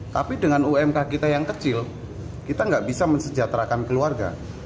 tapi dengan umk kita yang kecil kita nggak bisa mensejahterakan keluarga